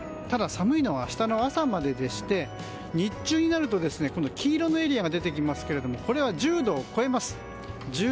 ただ寒いのは明日の朝までで日中になると今度、黄色のエリアが出てきますけれどもこれは１０度を超えます。